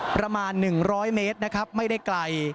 ประมาณหนึ่งร้อยเมตรนะครับไม่ได้ไกล